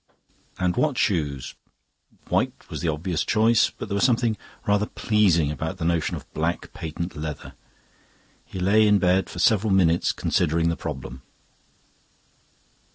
And what shoes? White was the obvious choice, but there was something rather pleasing about the notion of black patent leather. He lay in bed for several minutes considering the problem.